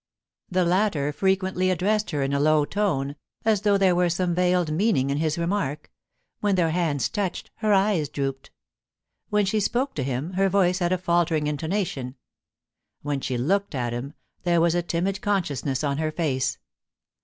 The latter frequently addressed her in a low tone, as though there were some veiled meaning in his remark ; when their hands touched, her eyes drooped ; when she spoke to him, her voice had a faltering intonation ; when she looked at him, there was a timid consciousness on her face.